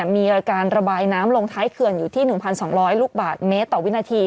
มีการระบายน้ำลงท้ายเขื่อนอยู่ที่๑๒๐๐ลูกบาทเมตรต่อวินาที